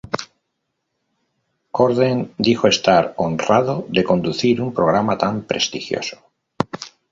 Corden dijo estar "honrado" de conducir "un programa tan prestigioso".